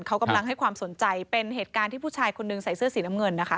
เขากำลังให้ความสนใจเป็นเหตุการณ์ที่ผู้ชายคนนึงใส่เสื้อสีน้ำเงินนะคะ